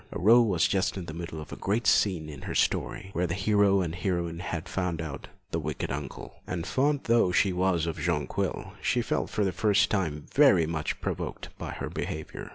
Aurore was just in the middle of the great scene in her story, where the hero and heroine had found out the wicked uncle, and fond though she was of Jonquil, she felt for the first time very much provoked by her behaviour.